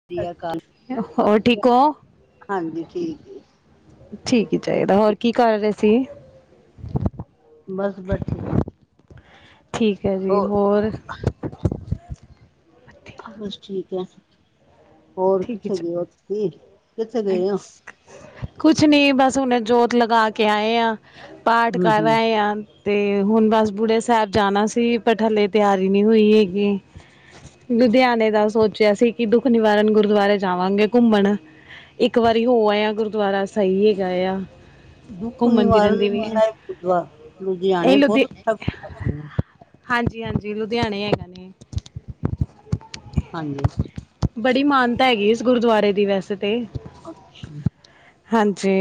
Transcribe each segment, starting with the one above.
ਸਤ ਸ਼੍ਰੀ ਅਕਾਲ ਹੋਰ ਠੀਕ ਹੋ? ਹਾਂਜੀ ਠੀਕ ਹੈ। ਠੀਕ ਹੀ ਚਾਹੀਦਾ, ਹੋਰ ਕੀ ਕਰ ਰਏ ਸੀ? ਬਸ ਬੈਠੇ ਸੀ। ਠੀਕ ਹੈ ਜੀ ਹੋਰ ਹਾਂ, ਬਸ ਠੀਕ ਹੈ, ਹੋਰ ਠੀਕ ਹੀ ਕਿੱਥੇ ਚ ਗਏ ਹੋ ਤੁਸੀਂ, ਕਿੱਥੇ ਗਏ ਹੋ? ਕੁਛ ਨੀ ਬਸ ਹੁਨੇ ਜੋਤ ਲਗਾ ਕੇ ਆਏ ਆ ਪਾਠ ਹੂੰ ਕਰ ਹੂੰ। ਆਏ ਆ। ਤੇ ਹੁਣ ਬਸ ਬੁੜੇ ਸਾਹਿਬ ਜਾਣਾ ਸੀ ਪਰ ਠੱਲੇ ਤਿਆਰੀ ਨਹੀਂ ਹੋਈ ਹੈਗੀ। ਲੁਧਿਆਣੇ ਦਾ ਸੋਚਿਆ ਸੀ ਕਿ ਦੁੱਖ ਨਿਵਾਰਨ ਗੁਰਦੁਆਰੇ ਜਾਵਾਂਗੇ ਘੁੰਮਣ ਇੱਕ ਵਾਰੀ ਹੋ ਆਏ ਆਂ, ਗੁਰਦੁਆਰਾ ਸਹੀ ਹੈਗਾ ਆ। ਦੁੱਖ ਘੁੰਮਣ ਫਿਰਨ ਦੀ ਨਿਵਾਰਨ ਵੀ ਸਾਹਿਬ ਇਹ ਗੁਰਦੁਆਰਾ ਲੁਧਿਆਣੇ ਲੁਧੀ ਬਹੁਤ ਅੱਛਾ ਗੁਰਦੁਆ ਹਾਂਜੀ-ਹਾਂਜੀ, ਲੁਧਿਆਣੇ ਹੈਗਾ ਨੇ। ਹਾਂਜੀ ਬੜੀ ਮਾਨਤਾ ਹੈਗੀ ਇਸ ਗੁਰਦੁਆਰੇ ਦੀ ਵੈਸੇ ਤੇ ਅੱਛਾ। ਹਾਂਜੀ।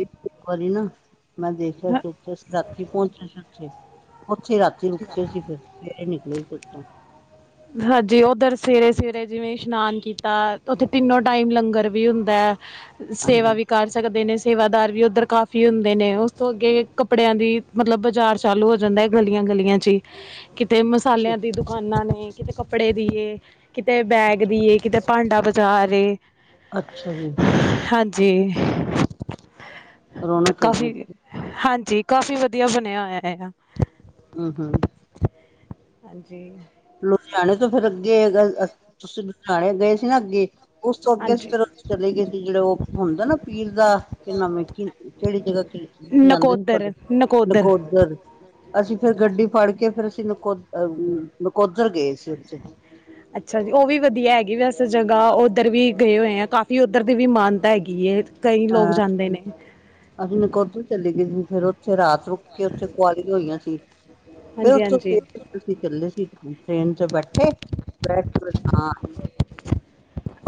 ਇੱਕ ਵਾਰੀ ਨਾ ਮੈਂ ਦੇਖਿਆ ਸੀ ਰਾਤੀਂ ਪਹੁੰਚੇ ਉਥੇ ਉੱਥੇ ਰਾਤੀ ਰੁਕੇ ਸੀ ਫਿਰ, ਸਵੇਰੇ ਨਿਕਲੇ ਸੀ ਉਥੋਂ। ਹਾਂਜੀ ਓਧਰ ਸਵੇਰੇ -ਸਵੇਰੇ ਜਿਵੇਂ ਇਸ਼ਨਾਨ ਕੀਤਾ ਉਥੇ ਤਿੰਨੋ ਟਾਈਮ ਲੰਗਰ ਵੀ ਹੁੰਦਾ। ਸੇਵਾ ਹਾਂਜੀ। ਵੀ ਕਰ ਸਕਦੇ ਨੇ ਸੇਵਾਦਾਰ ਵੀ ਉੱਧਰ ਕਾਫੀ ਹੁੰਦੇ ਨੇ, ਉਸ ਤੋਂ ਅੱਗੇ ਕੱਪੜਿਆਂ ਦੀ ਮਤਲਬ ਬਾਜ਼ਾਰ ਚਾਲੂ ਹੋ ਜਾਂਦਾ ਹੈ ਗਲੀਆਂ-ਗਲੀਆਂ ਚ। ਜੀ। ਕਿਤੇ ਮਸਾਲਿਆਂ ਦੀ ਦੁਕਾਨਾਂ ਨੇ ਕਿਤੇ ਕੱਪੜੇ ਦੀਈਏ ਕਿਤੇ ਬੈਗ ਦੀਈਏ ਕਿਤੇ ਭਾਂਡਾ ਬਜ਼ਾਰ ਏ। ਅੱਛਾ ਜੀ। ਜੀ ਰੌਣਕ ਹੈਗੀ ਕਾਫੀ ਉੱਥੇ ਹਾਂਜੀ ਕਾਫ਼ੀ ਵਧੀਆ ਬਣਿਆ ਹੋਇਆ ਆ। ਹੂੰ- ਹੂੰ। [inaudible] ਲੁਧਿਆਣੇ ਤੋਂ ਫਿਰ ਅੱਗੇ ਅਗਰ ਤੁਸੀਂ ਲੁਧਿਆਣੇ ਗਏ ਸੀ ਨਾ ਅੱਗੇ ਉਸ ਤੋਂ ਅੱਗੇ ਹਾਂਜੀ ਫਿਰ ਚਲੇ ਗਏ ਸੀ ਜਿਹੜੇ ਉਹ ਹੁੰਦਾ ਨਾ ਪੀਰ ਦਾ ਕਿ ਨਵੇਂ [unintelligible] ਕੇੜੀ ਜਗ੍ਹਾ ਤੇ? ਨਕੋਦਰ। ਨਕੋਦਰ। ਅਸੀਂ ਫਿਰ ਗੱਡੀ ਫੜ ਕੇ ਫਿਰ ਅਸੀਂ ਨਕੋ ਅ ਨਕੋਦਰ ਗਏ ਸੀ ਉੱਥੇ। ਹ [unintelligible] ਅੱਛਾ ਜੀ ਉਹ ਵੀ ਵਧੀਆ ਹੈਗੀ ਵੈਸੇ ਜਗ੍ਹਾ ਉੱਧਰ ਵੀ ਗਏ ਹੋਏ ਆ ਕਾਫ਼ੀ ਉੱਧਰ ਦੀ ਵੀ ਮਾਨਤਾ ਹੈਗੀ ਏ। ਕਈ ਲੋਕ ਅਹ ਜਾਂਦੇ ਨੇ। ਅਸੀਂ ਨਿਕੋਧਰ ਚੱਲੀ ਗਈ ਸੀ ਫੇਰ ਉੱਥੇ ਰਾਤ ਰੁਕ ਕੇ ਉੱਥੇ ਕੁਆਲੀਆਂ ਹੋਈਆਂ ਸੀ। ਫਿਰ ਹਾਂਜੀ ਉਥੋਂ ਹਾਂਜੀ ਅਸੀ ਚੱਲੇ ਸੀ ਟਰੇਨ ਚ ਬੈਠੇ, ਬੈਠ ਕੇ ਫਿਰ ਤਾਂ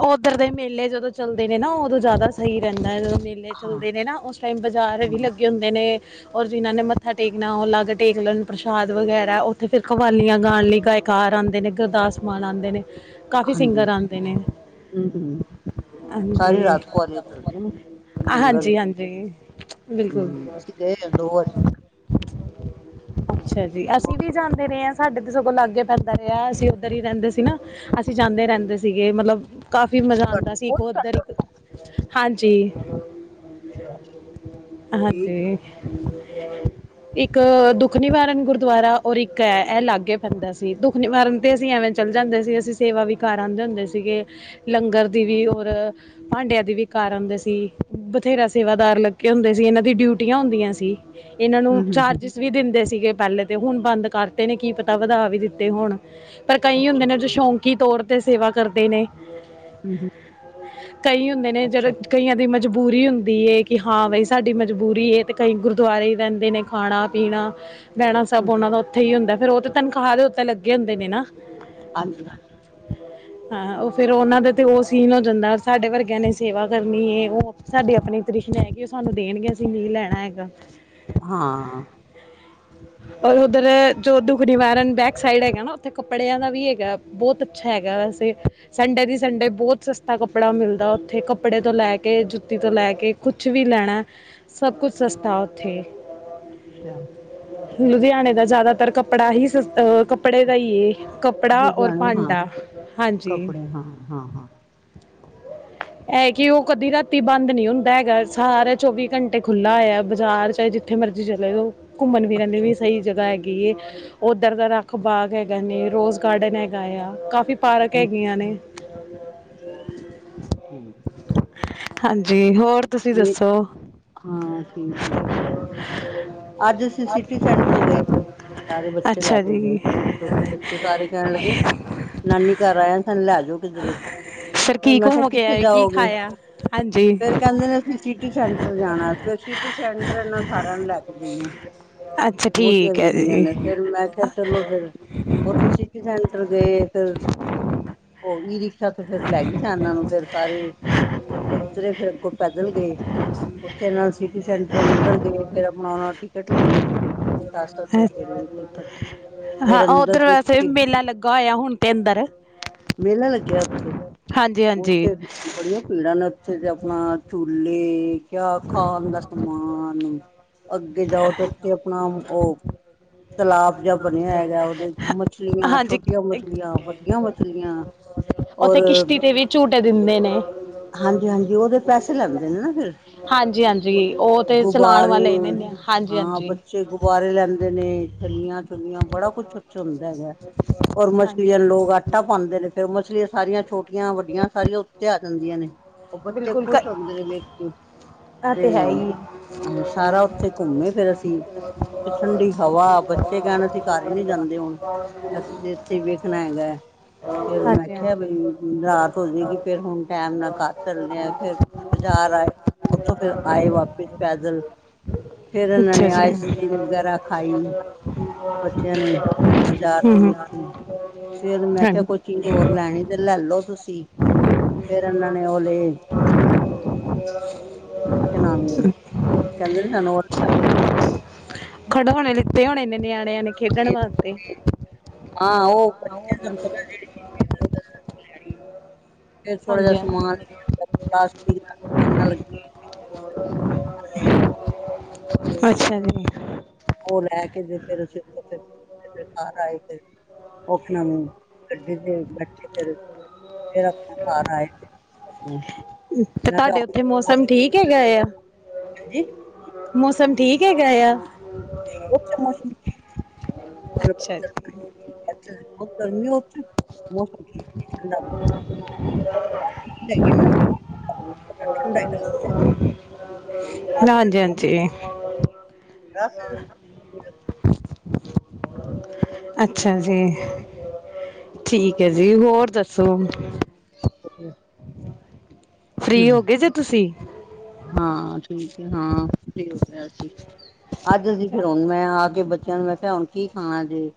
ਉੱਧਰ ਦੇ ਮੇਲੇ ਜਦੋਂ ਚੱਲਦੇ ਨੇ ਨਾ ਉਦੋਂ ਜ਼ਿਆਦਾ ਸਹੀ ਰਹਿੰਦਾ ਹੈ ਜਦੋਂ ਮੇਲੇ ਮੇਲੇ ਹਾਂ ਚੱਲਦੇ ਨੇ ਨਾ ਉਸ ਟਾਈਮ ਬਜ਼ਾਰ ਹਾਂ ਵੀ ਲੱਗੇ ਹੁੰਦੇ ਨੇ। ਔਰ ਜਿਹਨਾਂ ਨੇ ਮੱਥਾ ਟੇਕਣਾ ਉਹ ਅਲੱਗ ਟੇਕ ਲੈਣ ਪ੍ਰਸ਼ਾਦ ਵਗੈਰਾ ਉੱਥੇ ਫੇਰ ਖਵਾਲੀਆਂ ਗਾਣ ਲਈ ਗਾਇਕ ਘਰ ਆਉਂਦੇ ਨੇ, ਗੁਰਦਾਸ ਮਾਨ ਆਉਦੇ ਨੇ, ਕਾਫ਼ੀ ਸਿੰਗਰ ਆਉਂਦੇ ਨੇ। ਹੂੰ-ਹੂੰ, ਸਾਰੀ ਹਾਂਜੀ ਰਾਤ ਕੁਆਲੀਆ ਚੱਲਦੀਆਂ ਨੇ, ਲੰਗਰ ਹਾਂਜੀ ਹਾਂਜੀ ਬਿਲਕੁਲ ਹੂੰ, ਅਸੀਂ ਗਏ ਹਾ ਦੋ ਵਾਰ। ਅੱਛਾ ਜੀ ਅਸੀਂ ਵੀ ਜਾਂਦੇ ਰਹੇ ਹਾਂ। ਸਾਡੇ ਤੇ ਸਗੋਂ ਲਾਗੇ ਪੈਂਦਾ ਰਿਹਾ ਅਸੀਂ ਉੱਧਰ ਹੀ ਰਹਿੰਦੇ ਸੀ ਨਾ, ਅਸੀਂ ਜਾਂਦੇ ਰਹਿੰਦੇ ਸੀਗੇ ਮਤਲਬ ਕਾਫ਼ੀ ਮਜ਼ਾ ਬਹੁਤ ਆਉਂਦਾ ਸੀ ਇੱਕ ਬਹੁਤ ਘੱਟ ਉੱਧਰ ਇੱਕ, ਹਾਂਜੀ। ਸੀ। ਹਾਂਜੀ ਇੱਕ ਦੁੱਖ ਨਿਵਾਰਨ ਗੁਰਦੁਆਰਾ ਔਰ ਇੱਕ ਹੈ ਇਹ ਲਾਗੇ ਪੈਂਦਾ ਸੀ। ਦੁੱਖ ਨਿਵਾਰਨ ਤੇ ਅਸੀਂ ਐਵੇਂ ਚੱਲ ਜਾਂਦੇ ਸੀ ਅਸੀਂ ਸੇਵਾ ਵੀ ਕਰ ਆਉਂਦੇ ਹੁੰਦੇ ਸੀਗੇ। ਲੰਗਰ ਦੀ ਵੀ ਔਰ ਭਾਂਡਿਆਂ ਦੀ ਵੀ ਕਰ ਆਉਂਦੇ ਸੀ। ਬਥੇਰਾ ਸੇਵਾਦਾਰ ਲੱਗੇ ਹੁੰਦੇ ਸੀ ਇਹਨਾਂ ਦੀ ਡਿਊਟੀਆਂ ਹੁੰਦੀਆਂ ਸੀ। ਏਨਾਂ ਨੂੰ ਹੂੰ, ਹੂੰ, ਹੂੰ, ਚਾਰਜਿਸ ਵੀ ਦਿੰਦੇ ਸੀਗੇ ਪਹਿਲੇ ਤੇ, ਹੁਣ ਬੰਦ ਕਰਤੇ ਨੇ, ਕੀ ਪਤਾ ਵਧਾ ਵੀ ਦਿੱਤੇ ਹੋਣ। ਪਰ ਕਈ ਅੱਛਾ, ਹੁੰਦੇ ਨੇ ਜੋ ਅੱਛਾ, ਸ਼ੌਕੀ ਤੌਰ ਤੇ ਸੇਵਾ ਕਰਦੇ ਨੇ। ਹੂੰ-ਹੂੰ ਕਈ ਹੁੰਦੇ ਨੇ, ਜਰਾ ਕਈਆਂ ਦੀ ਮਜ ਮਜਬੂਰੀ ਹੁੰਦੀ ਹੈ ਕਿ ਹਾਂ ਬਾਈ ਸਾਡੀ ਮਜਬੂਰੀ ਹੈ ਤੇ ਕਈ ਗੁਰਦੁਆਰੇ ਰਹਿੰਦੇ ਨੇ ਖਾਣਾ, ਪੀਣਾ। ਬਹਿਣਾ ਹੂੰ, ਸਭ ਹੂੰ, ਉਹਨਾਂ ਦਾ ਉੱਥੇ ਹੀ ਹੁੰਦਾ ਫਿਰ ਉਹ ਤੇ ਤਨਖਾਹ ਦੇ ਉੱਤੇ ਲੱਗੇ ਹੁੰਦੇ ਨੇ ਨਾ। ਹਾਂਜੀ। ਹਾਂ ਉਹ ਫੇਰ ਉਹਨਾ ਦੇ ਤੇ ਉਹ ਸੀਨ ਹੋ ਜਾਂਦਾ ਸਾਡੇ ਵਰਗਿਆਂ ਨੇ ਸੇਵਾ ਕਰਨੀ ਹੈ ਉਹ। ਸਾਡੇ ਆਪਣੇ ਤ੍ਰਿਸ਼ਨ ਹੈ ਕਿ ਉਹ ਸਾਨੂੰ ਦੇਣਗੇ ਅਸੀਂ ਨਹੀਂ ਲੈਣਾ ਹੈਗਾ। ਹਾਂ [unintelligible] ਔਰ ਉੱਧਰ ਜੋ ਦੁੱਖ ਨਿਵਾਰਨ ਬੈਕ ਸਾਈਡ ਹੈਗਾ ਨਾ ਉੱਥੇ ਕੱਪੜਿਆਂ ਦਾ ਵੀ ਹੈਗਾ। ਬਹੁਤ ਅੱਛਾ ਹੈਗਾ ਵੈਸੇ। ਸੰਡੇ ਦੀ ਸੰਡੇ ਬਹੁਤ ਸਸਤਾ ਕੱਪੜਾ ਮਿਲਦਾ ਉੱਥੇ, ਕੱਪੜੇ ਤੋਂ ਲੈ ਕੇ ਜੁੱਤੀ ਤੋਂ ਲੈ ਕੇ ਕੁਛ ਵੀ ਲੈਣਾ, ਸਭ ਕੁਛ ਸਸਤਾ ਉੱਥੇ। ਅੱਛਾ, ਲੁਧਿਆਣੇ ਦਾ ਜ਼ਿਆਦਾਤਰ ਕੱਪੜਾ ਹੀ ਸਸ ਅ ਕਪ ਕੱਪੜੇ ਦਾ ਈ ਏ ਕੱਪੜਾ ਔਰ ਲੁਧਿਆਣੇ ਹਾਂ, ਭਾਂਡਾ ਹਾਂਜੀ। ਕੱਪੜੇ ਹਾਂ ਹਾਂ ਹਾਂ। ਇਹ ਕੀ ਉਹ ਕਦੀ ਦਾ ਤੀ ਬੰਦ ਨੀ ਹੁੰਦਾ ਹੈਗਾ, ਸਾਰਾ ਚੌਵੀ ਘੰਟੇ ਖੁੱਲਾ ਐ ਬਾਜ਼ਾਰ, ਚਾਹੇ ਜਿੱਥੇ ਮਰਜ਼ੀ ਚਲੇ ਜਾਓ। ਘੁੰਮਣ ਫਿਰਨ ਦੀ ਅੱਛਾ, ਵੀ ਸਹੀ ਜਗ੍ਹਾ ਹੈਗੀ। ਕੀ ਉੱਧਰ ਦਾ ਰੱਖ ਬਾਗ ਹੈਗਾ ਨੇ, ਰੋਜ਼ ਗਾਰਡਨ ਹੈਗਾ ਆ ਕਾਫੀ ਪਾਰਕ ਹੂੰ, ਹੈਗੀਆਂ ਨੇ। ਹੂੰ ਹਾਂਜੀ ਹੋਰ ਤੁਸੀਂ ਮੇ ਦੱਸੋ? ਹਾਂ, ਠੀਕ ਹ ਈ ਐ। ਅੱਜ ਅਸੀਂ ਸਿਟੀ ਸੈਂਟਰ ਗਏ ਸੀ, ਸਾਰੇ ਬੱਚੇ ਲੈ ਅੱਛਾ ਕੇ ਜੀ ਗਏ ਸੀ, ਅਸੀਂ ਛੋਟੇ ਬੱਚੇ ਸਾਰੇ ਕਹਿਣ ਲੱਗੇ, ਨਾਨੀ ਘਰ ਆਇਆ ਸਾਨੂੰ ਲੈ ਜੋ। ਕਿਧਰੇ, ਫਿਰ ਫੇਰ ਕੀ ਮੈਂ ਕਿਆ ਘੁੰਮ ਕੇ ਕਿੱਥੇ ਆਏ ਕੀ ਜਾਓਗੇ? ਖਾਇਆ ਹਾਂਜੀ ਫੇਰ ਕਹਿੰਦੇ ਨੇ ਅਸੀਂ ਸਿਟੀ ਸੈਂਟਰ ਜਾਣਾ, ਫੇਰ ਸਿਟੀ ਸੈਂਟਰ ਇਹਨਾ ਸਾਰਿਆਂ ਨੂੰ ਲੈ ਕੇ [unintelligible] ਅੱਛਾ ਬਹੁਤੀਆਂ ਠੀਕ ਹੈ ਵਗੀਆਂ ਜੀ ਨੇ ਫਿਰ ਮੈਂ ਕਿਹਾ ਚਲੋ ਫਿਰ, ਉੱਥੇ ਸਿਟੀ ਸੈਂਟਰ ਗਏ ਫਿਰ, ਉਹ ਵੀ ਅੱਛਾ ਤੇ ਫੇਰ ਲੈ ਗਈ ਸ ਇਹਨਾਂ ਨੂੰ, ਫਿਰ ਸਾਰੇ ਓਥੋਂ ਉਤਰੇ ਫੇਰ ਅੱਗੋਂ ਪੈਦਲ ਗਏ। ਉੱਥੇ ਨਾਂ ਸਿਟੀ ਸੈਂਟਰ ਅੰਦਰ ਗਏ ਫਿਰ ਆਪਣਾ ਉਹ ਨਾਲ ਟਿਕਟ ਲਈਏ। ਦਸ-ਦਸ ਰੁਪਏ ਅ- ਲਈ ਟਿਕਟ। ਹਾਂ ਫੇਰ ਅੰਦਰ ਓਧਰ ਵੈਸੇ ਦੇਖੇ ਮੇਲਾ ਲੱਗਾ ਹੋਇਆ ਹੁਣ ਤੇ ਅੰਦਰ। ਮੇਲਾ ਲੱਗਿਆ ਉੱਥੇ, ਹਾਂਜੀ ਹਾਂਜੀ ਉਥੇ ਬੜੀਆਂ ਭੀੜਾਂ ਨੇ। ਉਥੇ ਤੇ ਆਪਣਾ ਚੂਲੇ, ਕਿਆ ਖਾਣ ਦਾ ਸਮਾਨ। ਅੱਗੇ ਜਾਓ ਤੇ ਉੱਥੇ ਆਪਣਾ ਉਹ ਤਲਾਬ ਜਿਹਾ ਬਣਿਆ ਹੈਗਾ, ਉਹਦੇ ਮਛਲੀਆਂ ਹਾਂਜੀ ਛੋਟੀਆਂ ਮੱਛਲੀਆਂ, ਵੱਡੀਆਂ ਮੱਛਲੀਆਂ ਉੱਥੇ ਕਿਸ਼ਤੀ ਤੇ ਵੀ ਝੂਟੇ ਦਿੰਦੇ ਨੇ। ਹਾਂਜੀ-ਹਾਂਜੀ, ਉਹਦੇ ਪੈਸੇ ਲੈਂਦੇ ਨੇ ਨਾ ਫਿਰ। ਹਾਂਜੀ-ਹਾਂਜੀ ਉਹ ਤੇ ਚਲਾਨ ਗੁਬਾਰੇ ਵਾਲੇ ਲੈ ਲੈਨੇ ਆ। ਹਾਂ ਬੱਚੇ ਗੁਬਾਰੇ ਲੈਂਦੇ ਨੇ, ਛੱਲੀਆਂ-ਛੁੱਲੀਆਂ ਬੜਾ ਕੁੱਛ ਉਥੇ ਹੁੰਦਾ ਹੈਗਾ। ਹੋਰ ਮੱਛਲੀਆਂ ਨੂੰ ਹਾਂਜੀ ਲੋਕ ਆਟਾ ਪਾਉਂਦੇ ਨੇ ਫੇਰ ਮੱਛਲੀਆਂ ਸਾਰੀਆਂ ਛੋਟੀਆਂ ਵੱਡੀਆਂ ਸਾਰੀਆਂ ਉੱਥੇ ਆ ਜਾਂਦੀਆਂ ਨੇ, ਉਹ ਬੱਚੇ ਬਿਲਕੁਲ ਕ ਖੁਸ਼ ਹੁੰਦੇ ਨੇ ਵੇਖ ਕੇ। ਆ ਤੇ, ਹੈ ਹੀ ਸਾਰਾ ਉੱਥੇ ਘੁੰਮੇ ਫਿਰ ਅਸੀਂ, ਤੇ ਠੰਡੀ ਹਵਾ ਬੱਚੇ ਕਹਿਣ ਅਸੀ ਘਰ ਹੀ ਨਹੀਂੀ ਜਾਂਦੇ ਹੁਣ। ਅਸੀਂ ਤੇ ਇੱਥੇ ਹੀ ਵੇਖਣਾ ਹੈਗਾ, ਫਿਰ ਮੈਂ ਹਾਂਜੀ ਕਿਹਾਂ ਹਾਂਜੀ ਬਈ। ਰਾਤ ਹੋਜੇਗੀ, ਫਿਰ ਹੁਣ ਟਾਈਮ ਨਾਲ ਕਰ ਦੇਂਦੇ ਆਂ, ਫੇਰ ਬਜ਼ਾਰ ਆਏ ਉੱਥੋਂ ਫਿਰ ਆਏ, ਵਾਪਿਸ ਪੈਦਲ। ਫੇਰ ਇਹਨਾਂ ਅੱਛਾ ਨੇ, ਜੀ ਹਮ ਆਈਸ-ਕ੍ਰੀਮ ਵਗੈਰਾ ਖਾਈ ਬੱਚਿਆਂ ਨੇ। ਬਾਜ਼ਾਰ ਦੇ ਹਮ ਵਿੱਚ ਹੀ, ਫੇਰ ਮੈਂ ਕਿਹਾ, ਕੋਈ ਹਾਂਜੀ ਚੀਜ਼ ਹੋਰ ਲੈਣੀ ਤੇ ਲੈ ਲਓ ਤੁਸੀਂ! ਫਿਰ ਇਹਨਾਂ ਨੇ ਓ ਲਏ, ਕਿ ਣਾਵੇ ਕਹਿੰਦੇ ਨੇ ਨਾ ਨੋਰ। ਖਿਡੌਣੇ ਲਿੱਤੇ ਹੋਣੇ ਨੇ, ਨਿਆਣਿਆਂ ਨੇ? ਖੇਡਣ ਫੇਰ ਵਾਸਤੇ [unintelligible] ਹਾਂ, ਉਹ ਬੱਚੇ ਤੁਹਾਨੂੰ ਪਤਾ ਜਿਹੜੀ ਚੀਜ਼ ਵੀ ਓਹਨਾਂ ਨੇ ਲੈਣੀ ਫਿਰ ਥੋੜਾ ਜਿਹਾ ਹਾਂਜੀ ਸਮਾਨ ਹਾਂਜੀ ਲਿਆ, ਪਲਾਸਟਿਕ ਦਾ ਦੁਕਾਨ ਲਗੀ ਦੀਆਂ ਅੱਛਾ ਜੀ। ਉਹ ਲੈਕੇ ਦਿੱਤੇ ਤੇ, ਫਿਰ ਕਿਤੇ ਘਰ ਆਏ ਫਿਰ। ਉਹ ਆਪਣਾ ਗੱਡੀ ਤੇ ਬੈਠੇ ਫਿਰ, ਫਿਰ ਆਪਣਾ ਘਰ ਆਏ ਆਪਣਾ ਤੇ, ਮੈਂ ਕਿਹਾ ਤੁਹਾਡੇ ਉਥੇ ਮੌਸਮ ਠੀਕ ਹੈਗਾ ਯਾ? ਹਾਂਜੀ? ਮੌਸਮ ਠੀਕ ਹੈਗਾ ਯਾ? ਉੱਥੇ ਮੌਸਮ ਅੱਛਾ। ਅੱਛਾ, ਬਹੁਤ ਗਰਮੀ ੳੱਥੇ। ਮੌਸਮ ਠੀਕ, ਠੰਡਾ ਹੋਗੇਯ [unintelligible] ਘੋੜਾ ਬਣਿਆ [unintelligible] ਰਾਤ- ਹਾਜੀ-ਹਾਂਜੀ। ਰਾਤ ਅੱਛਾ ਜੀ। ਠੀਕ ਐ ਜੀ, ਹੋਰ ਦੱਸੋ? ਹਾਂਜੀ। ਫ੍ਰੀ ਹੋ ਗਏ ਜੇ, ਤੁਸੀਂ? ਹਾਂ, ਠੀਕ ਏ, ਹਾਂ, ਫ੍ਰੀ ਹੋਗਿਆ ਜੀ। ਅੱਜ ਅਸੀ ਫੇਰ ਹੁਣ ਮੈਂ ਆਕੇ ਬੱਚਿਆਂ ਨੂੰ, ਮੈਂ ਕਿਹਾ, ਹੁਣ ਕੀ ਖਾਣਾ ਜੇ?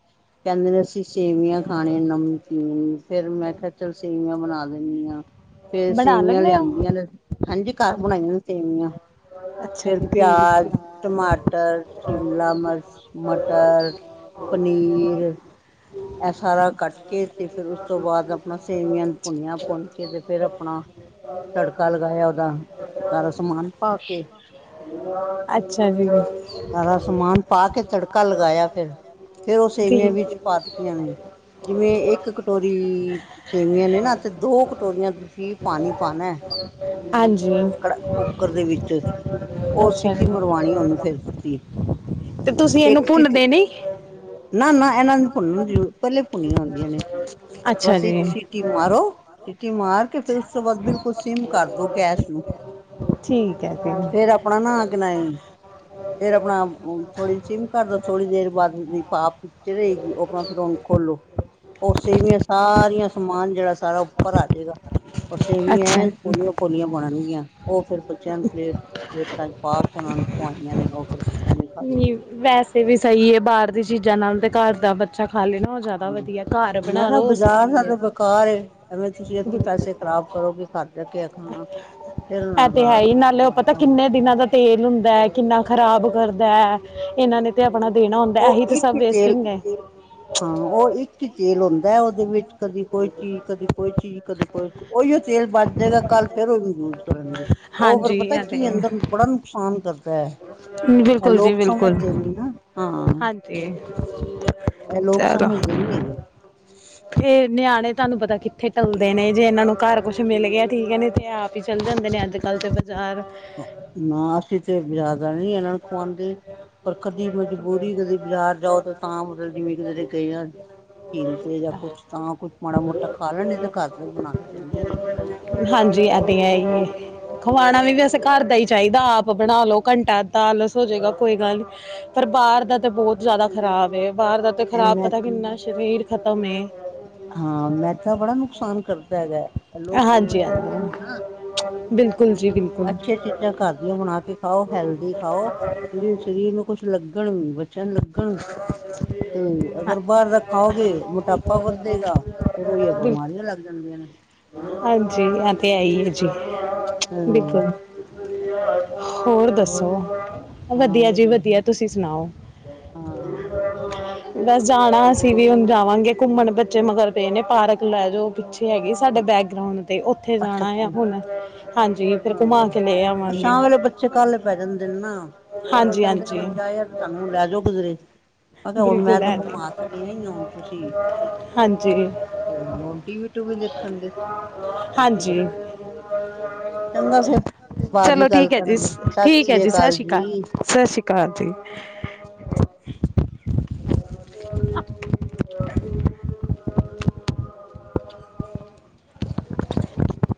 ਕਹਿੰਦੇ ਨੇ ਅਸੀਂ ਸੇਵੀਆਂ ਖਾਣੀਆਂ ਨਮਕੀਨ, ਫੇਰ ਮੈਂ ਕਿਹਾ ਚਲ ਸੇਵੀਆਂ ਬਣਾਲੇ [inaudible] ਫੇਰ ਸੇਵੀਆਂ ਲੈਂਦੇ ਲਿਆਂਦੀਆਂ ਨੇ, ਹਾਂਜੀ। ਘਰ ਹੋ ਬਣਾਈਆਂ ਨੇ ਸੇਵੀਆਂ। ਅੱਛਾ ਫਿਰ ਜੀ ਠੀਕ ਪਿਆਜ਼, ਟਮਾਟਰ, ਸ਼ਿਮਲਾ, ਮਿਰਚ, ਮਟਰ ਪਨੀਰ [inaudible] ਇਹ ਸਾਰਾ ਕੱਟਕੇ, ਤੇ ਫਿਰ ਉਸ ਤੋਂ ਬਾਅਦ ਆਪਣਾ ਸੇਵੀਆਂ ਨੂੰ ਭੁਨਿਆ, ਭੁੰਨਕੇ ਤੇ ਫੇਰ ਆਪਣਾ ਤੜਕਾ ਲਗਾਇਆ ਉਹਦਾ, ਸਾਰਾ ਸਮਾਨ ਪਾਕੇ। ਅੱਛਾ ਜੀ। ਸਾਰਾ ਸਮਾਨ ਪਾਕੇ ਤੜਕਾ ਲਗਾਇਆ ਫਿਰ। ਫਿਰ ਉਹ ਸੇਵੀਆਂ ਠੀਕ ਵਿੱਚ ਪਾਤੀਆਂ ਨੇ, ਜਿਵੇਂ ਇੱਕ ਕਟੋਰੀ ਸੇਵੀਆਂ ਨੇ ਨਾਂ, ਤੇ ਦੋ ਕਟੋਰੀਆਂ ਤੁਸੀਂ ਪਾਣੀ ਪਾਣੈ। ਹਾਂਜੀ ਕੁੱਕਰ ਦੇ ਵਿੱਚ। ਉਹ ਅੱਛਾ ਸੀਟੀ ਜੀ ਮਰਵਾਣੀ ਉਹਨੂੰ ਫਿਰ। ਤੁਸੀਂ ਤੇ, ਤੁਸੀਂ ਇਹਨੂੰ ਭੁੰਨਦੇ ਨੀ? ਨਾ-ਨਾ ਇਹਨਾਂ ਦੀ ਭੁੰਨ ਜਰੁਰ ਪਹਿਲੇ ਈ ਭੁੰਨੀਆਂ ਹੁੰਦੀਆਂ ਨੇ, ਅੱਛਾ ਬਸ ਜੀ ਇੱਕ ਸੀ ਟੀ ਮਾਰੋ, ਸੀਟੀ ਮਾਰਕੇ ਫਿਰ ਉਸ ਤੋਂ ਬਾਅਦ ਬਿਲਕੁਲ ਸਿੱਮ ਕਰਦੋ ਗੈਸ ਨੂੰ। ਠੀਕ ਹੈ, ਫਿਰ। ਫੇਰ ਆਪਣਾ ਨਾਂ ਗੀਣਾਂਈ। ਫਿਰ ਅਪਣਾ ਥੋੜੀ ਸਿੱਮ ਕਰਦੋ, ਥੋੜ੍ਹੀ ਦੇਰ ਬਾਅਦ ਉਸਦੀ ਪ੍ਹਾਫ ਚਲੇਗੀ, ਆਪਣਾ ਫਿਰ ਉਹਨੂੰ ਖੋਲੋ। ਓ ਸੇਵੀਆਂ ਸਾਰੀਆਂ, ਸਮਾਨ ਜਿਹੜਾ ਸਾਰਾ ਉੱਪਰ ਆਜੇਗਾ।। ਓਰ ਸੇਵੀਂਆ ਅੱਛਾ ਐਣ ਜੀ। ਪੋਲੀਆਂ-ਪੋਲੀਆਂ ਬਣਨਗੀਆਂ। ਉਹ ਫੇਰ ਬੱਚਿਆਂ ਨੂੰ ਪਲੇਟ, ਪਲੇਟਾਂ'ਚ ਪਾਕੇ ਉਹਨਾਂ ਨੂੰ ਖਵਾਈਆਂ ਨੇ, ਉਹ ਫਿਰ ਬੱਚਿਆਂ ਨੇ ਖਾਲੀਆਂ ਨਹੀਂ ਨੇ। ਵੈਸੇ ਵੀ ਸਹੀ ਏ, ਬਾਹਰ ਦੀ ਚੀਜ਼ਾਂ ਨਾਲੋਂ ਤੇ ਘਰ ਦਾ ਬੱਚਾ ਖਾ ਲੇਨਾ ਹਾਂ, ਮੈਂ ਕਿਹਾ, ਬਾਜ਼ਾਰ ਸਾਰੇ ਹੈ ਬਕਾਰ ਏ, ਐਵੇਂ ਤੁਸੀਂ ਇੱਥੇ ਪੈਸੇ ਖਰਾਬ ਕਰੋਗੇ ਘਰ। ਰੱਖਿਆ ਖਾਣਾ। ਫਿਰ ਉਹਨਾਂ ਐ ਨੂੰ ਤੇ ਬਣਾ ਹੈਹੀ, ਕੇ ਨਾਲੇ ਉਹ ਪਤਾ ਖਵਾਇਆ ਹੁਣ ਕਿੰਨੇ ਦਿਨਾਂ ਦਾ ਤੇਲ ਹੁੰਦਾ, ਕਿੰਨਾ ਖ਼ਰਾਬ ਕਰਦੈ, ਇਹਨਾਂ ਨੇ ਤੇ ਆਪਣਾ ਦੇਣਾ ਹੁੰਦਾ, ਉਹ ਇਹੀ ਤੇ ਸਭ ਇੱਕ ਹੀ ਤੇਲ ਵੇਸਟੀਂਗ ਹੈਗੀ ਏ। ਹਾਂ, ਉਹ ਇੱਕ ਈ ਤੇਲ ਹੁੰਦਾ, ਉਹਦੇ ਵਿੱਚ ਕਦੀ ਕੋਈ ਚੀਜ਼, ਕਦੀ ਕੋਈ ਚੀਜ਼। ਹੀ ਕਦੇ ਕੋਈ ਔਈਯੋ ਤੇਲ ਬਾਚ ਜੇਗਾ ਕੱਲ ਫੇਰ ਔਨੂੰ ਯੂਜ ਕਰਨਗੇ। ਉਹ ਫਿਰ ਹਾਂਜੀ ਪਤਾ ਇਹ ਤੇ ਕੀ ਅੰਦਰ, ਬੜਾ ਨੁਕਸਾਨ ਕਰਦਾ ਪੈ, ਇਹ ਬਿਲਕੁਲ ਲੋਕ ਸਮਝਦੇ ਨੀ ਨਾ ਹਾਂ। ਤੇ ਇਹ ਲੋਕ ਚਲੋ ਸਮਝਦੇ ਨੀ ਹੈਗੇ ਫੇਰ ਨਿਆਣੇ ਤੁਹਾਨੂੰ ਪਤਾ ਕਿੱਥੇ ਟਲਦੇ ਨੇ ਜੇ ਇਹਨਾਂ ਨੂੰ ਘਰ ਕੁੱਛ ਮਿਲ ਗਿਆ ਠੀਕ ਹੈ, ਤੇ ਆਪ? ਚਲ ਜਾਂਦੇ ਨੇ ਅੱਜ ਕੱਲ ਤਾਂ ਬਾਜ਼ਾਰ। ਨਾ ਅਸੀਂ ਤੇ ਜ਼ਿਆਦਾ? ਨੀ ਇਹਨਾਂ ਨੂੰ ਖਵਾਉਂਦੇ, ਪਰ ਕਦੀ ਮਜਬੂਰੀ ਕਦੇ ਬਜ਼ਾਰ ਜਾਓ ਤਾਂ ਮਤਲਬ ਜਿਵੇਂ ਕਿਧਰੇ ਗਏ ਆ ਝੀਲ ਤੇ ਜਾਂ ਕੁੱਛ ਤਾਂ ਕੁੱਛ ਮਾੜਾ ਮੋਟਾ ਖਾ ਲੈਣ ਤੇ ਘਰ ਤੋਂ ਵੀ ਬਣਾ ਕੇ ਦਿੰਦੇ ਹਾਂ ਇਸ ਤਰ੍ਹਾਂ। ਹਾਂਜੀ ਐ ਤੇ ਹੈ ਹੀ। ਖਵਾਣਾ ਵੀ ਵੈਸੇ ਘਰ ਦਾ ਹੀ ਚਾਹੀਦਾ। ਆਪ ਬਣਾ ਲਓ। ਘੰਟਾ ਅੱਧਾ ਆਲਸ ਹੋ ਜਾਵੇਗਾ ਕੋਈ ਗੱਲ ਨਹੀਂ, ਪਰ ਬਾਹਰ ਦਾ ਤਾਂ ਬਹੁਤ ਜ਼ਿਆਦਾ ਖ਼ਰਾਬ ਹੈ ਬਾਹਰ ਦਾ ਤੇ ਇਹ ਖਰਾਬ ਮੈਂ ਪਤਾ ਕਿੰਨਾ ਸਰੀਰ ਖਤਮ ਏ। ਹਾਂ, ਮੈਦਾ ਬੜਾ ਨੁਕਸਾਨ ਕਰਦਾ ਹੈਗਾ ਲੋਕ ਹਾਂਜੀ ਸਮਝਦੇ ਹੈਗੇ ਹਾਂਜੀ ਨਾ। ਬਿਲਕੁਲ ਜੀ ਬਿਲਕੁਲ ਅੱਛੀਆ ਚੀਜ਼ਾਂ ਘਰ ਦੀਆਂ ਬਨਾ ਕੇ ਖਾ ਔ, ਹੈਲਦੀ ਖਾ ਔ, ਜਿੜੀ ਸ਼ਰੀਰ ਨੂੰ ਕੁਛ ਲੱਗਣ ਵੀ, ਬੱਚਿਆ ਨੂੰ ਲੱਗਣ? ਤੇ ਹਾਂ ਅਗਰ ਬਾਹਰਲਾ ਖਾਓਗੇ, ਮੋਟਾਪਾ ਵਧੇਗਾ। ਫਿਰ ਉਹੀ ਆਂ ਬਿਲ ਬਿਮਾਰੀਆਂ ਲੱਗ ਜਾਂਦੀਆਂ ਨੇ ਹਾਂਜੀ, ਇਹ ਤੇ ਹੈ ਹੀ ਜੀ, ਹੂੰ ਬਿਲਕੁਲ। ਹੋਰ ਦੱਸੋ, ਵਧੀਆ ਜੀ ਵਧੀਆ ਤੁਸੀਂ ਸੁਣਾਓ। ਹਾਂ ਆਲਾਗ [inaudible] ਬਸ ਜਾਣਾ ਅਸੀਂ ਵੀ ਹੁਣ ਜਾਵਾਂਗੇ ਘੁੰਮਣ, ਬੱਚੇ ਮਗਰ ਪਏ ਨੇ ਪਾਰਕ ਲੈ ਜਾਓ ਪਿੱਛੇ ਹੈਗੀ? ਸਾਡੇ ਬੈਕਗ੍ਰਾਊਂਡ ਤੇ, ਉੱਥੇ ਅੱਛਾ ਜਾਣਾ ਆ ਅੱਛਾ ਹੁਣ? ਹਾਂਜੀ ਫਿਰ ਹਾਂ, ਘੁਮਾ ਕੇ ਲੈ ਆਵਾਂਗੇ ਸ਼ਾਮ ਵੇਲੇ ਬੱਚੇ ਕਾਹਲੇ ਪੈ ਜਾਂਦੇ ਨੇ ਨਾ। ਉਹ ਫਿਰ ਹਾਂਜੀ ਕਹਿੰਦੇ ਨੇ ਹਾਂਜੀ ਬੱਚਾ ਯਾਰ ਤੇ ਸਾਨੂੰ ਲੈ ਜਾਓ ਕਿਧਰੇ। ਮੈਂ ਕਿਹਾ ਹੁਣ ਮੈਂ ਬਿਲਕੁਲ ਤਾਂ ਐ ਘੁਮਾ ਤੋਂ ਲਈਆ, ਹੁਣ ਤੁਸੀਂ? ਹਾਂਜੀ ਨੋਨ ਟੀਵੀ -ਟੂਵੀ ਦੇਖਣਗੇ, ਹੋਰ ਕੀ ਹਾਂਜੀ ਕਰਨਗੇ। ਬਾਅਦ ਚਲੋ ਚ ਗੱਲ ਠੀਕ ਹੈ ਜੀ, ਕਰਾਂਗੇ ਸਤਿ ਠੀਕ ਹੈ ਜੀ ਸਤਿ ਸ੍ਰੀ ਅਕਾਲ ਜੀ ਸਤਿ ਸ੍ਰੀ ਅਕਾਲ ਜੀ।